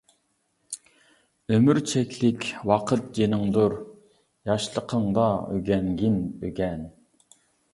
ئۆمۈر چەكلىك ۋاقىت جېنىڭدۇر، ياشلىقىڭدا ئۆگەنگىن-ئۆگەن.